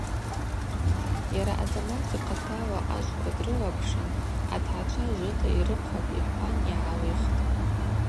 Йара Азамат йхъатала ажвква дрылапшын атгӏачва жвыта йрыхъвапӏ,–йхӏван йгӏалихтӏ.